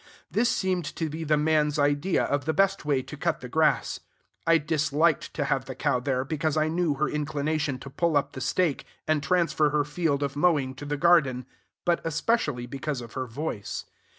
This seemed to be the man's idea of the best way to cut the grass. I disliked to have the cow there, because I knew her inclination to pull up the stake, and transfer her field of mowing to the garden, but especially because of her voice.